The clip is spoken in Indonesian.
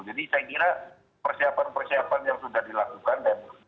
jadi saya kira persiapan persiapan yang sudah dilakukan